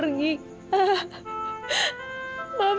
aku suka sama kamu